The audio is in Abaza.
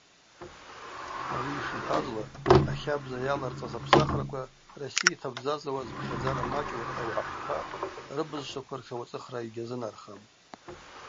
Ауи йшихӏвазла, ахабза йаларцӏаз апсахраква Россия йтабзазауа зпхьадзара мачӏу ауагӏахъаква рыбызшваква ртшауацӏыхра йгьазынархам.